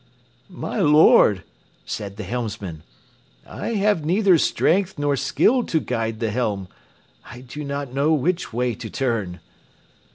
"My lord," said the helmsman, "I have neither strength nor skill to guide the helm. I do not know which way to turn."